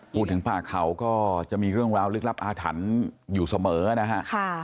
พูดถึงป่าเขาก็จะมีเรื่องราวลึกลับอาถรรพ์อยู่เสมอนะฮะ